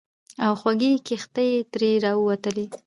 او خوږې کیښتې ترې راووتلې.